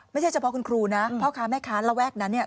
ไม่ใช่เฉพาะคุณครูนะพ่อค้าแม่ค้าระแวกนั้นเนี่ย